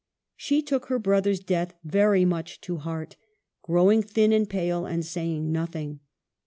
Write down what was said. She took her brother's death very much to heart, growing thin and pale and saying nothing.